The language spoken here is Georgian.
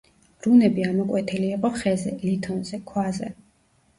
რუნები ამოკვეთილი იყო ხეზე, ლითონზე, ქვაზე.